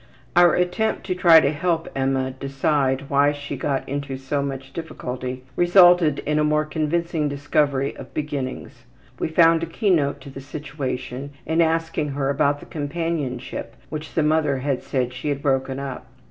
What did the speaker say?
Our attempt to try to help Emma decide why she got into so much difficulty resulted in a most convincing discovery of beginnings. We found a keynote to the situation in asking her about the companionship which the mother had said she had broken up.